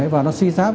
và nó suy giáp